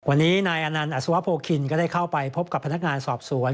วันนี้นายอนันต์อัศวโพคินก็ได้เข้าไปพบกับพนักงานสอบสวน